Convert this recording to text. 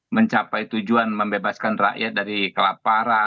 mencapai tujuan membebaskan rakyat dari kelaparan